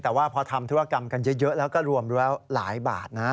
แต่ว่าพอทำธุรกรรมกันเยอะแล้วก็รวมแล้วหลายบาทนะ